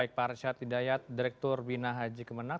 baik pak arsyad hidayat direktur bina haji kemenang